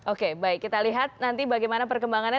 oke baik kita lihat nanti bagaimana perkembangannya